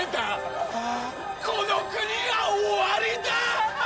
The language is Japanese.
この国は終わりだ！